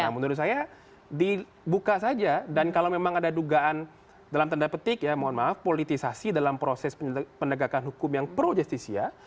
nah menurut saya dibuka saja dan kalau memang ada dugaan dalam tanda petik ya mohon maaf politisasi dalam proses penegakan hukum yang pro justisia